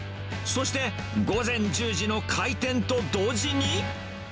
そして、午前１０時の開店と同時に。